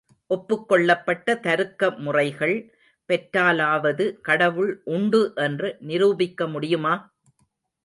ஒப்புக்கொள்ளப்பட்ட தருக்க முறைகள் பெற்றாலாவது கடவுள் உண்டு என்று நிரூபிக்க முடியுமா?